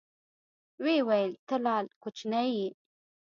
ويې ويل ته لا کوچنى يې.